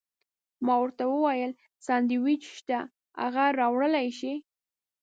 ما ورته وویل: سانډویچ شته، هغه راوړلی شې؟